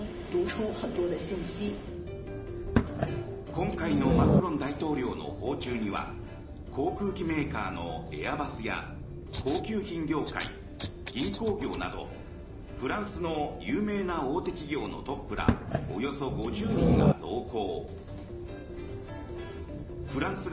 今回のマクロン大統領の訪中には航空機メーカーのエアバスや高級品業界、銀行業などフランスの有名な大手企業のトップらおよそ５０人が同行。